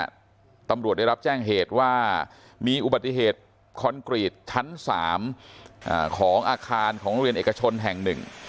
ตำรวจได้รับแจ้งเหตุว่ามีอุบัติเหตุคอนกรีตชั้น๓ของอาคารของโรงเรียนเอกชนแห่งหนึ่ง